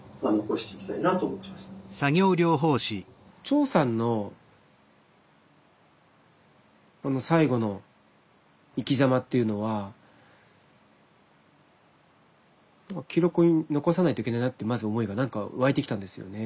長さんのこの最期の生きざまっていうのは記録に残さないといけないなってまず思いが何か湧いてきたんですよね。